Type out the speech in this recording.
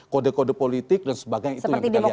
kode kode politik dan sebagainya itu yang kita lihat